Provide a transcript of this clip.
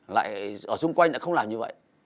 lại ở xung quanh lại không làm như vậy